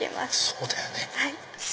そうだよね。